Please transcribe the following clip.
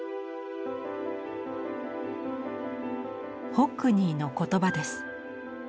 ホックニーの言葉です。